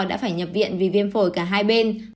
đã phải nhập viện vì viêm phổi cả hai bên